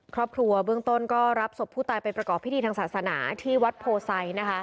ครอบครัวเบื้องต้นก็รับศพผู้ตายไปประกอบพิธีทางศาสนาที่วัดโพไซนะคะ